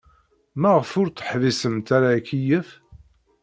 Maɣef ur teḥbisemt ara akeyyef?